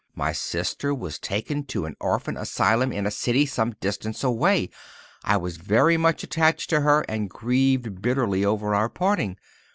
My sister was taken to an orphan asylum in a city some distance away. I was very much attached to her and grieved bitterly over our parting.